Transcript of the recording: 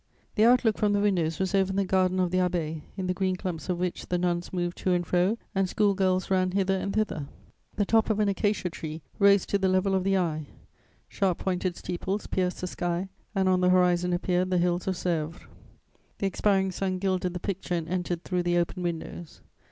The outlook from the windows was over the garden of the Abbaye, in the green clumps of which the nuns moved to and fro and school girls ran hither and thither. The top of an acacia tree rose to the level of the eye. Sharp pointed steeples pierced the sky, and on the horizon appeared the hills of Sèvres. The expiring sun gilded the picture and entered through the open windows.